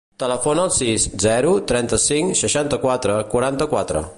Telefona al sis, zero, trenta-cinc, seixanta-quatre, quaranta-quatre.